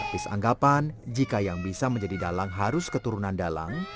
pis anggapan jika yang bisa menjadi dalang harus keturunan dalang